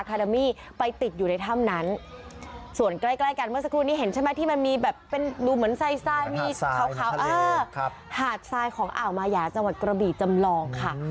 ไปติดอยู่ในถ้ำนั้นส่วนใกล้ใกล้กันเมื่อสักครู่นี้เห็นใช่ไหมที่มันมีแบบเป็นดูเหมือนไซด์มีขาวหาดทรายของอ่าวมายาจังหวัดกระบี่จำลองค่ะ